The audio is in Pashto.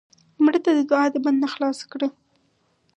مړه ته د دوعا د بند نه خلاص کړه